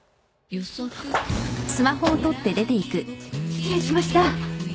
失礼しました。